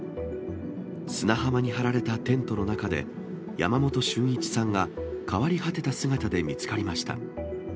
砂浜に張られたテントの中で、山本駿一さんが変わり果てた姿で見つかりました。